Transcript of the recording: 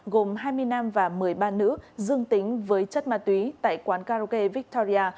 gồm hai mươi nam và một mươi ba nữ dương tính với chất ma túy tại quán karaoke victoria